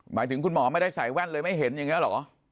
หมายถึงคุณหมอไม่ได้ใส่แว่นเลยไม่เห็นอย่างนี้เหรอ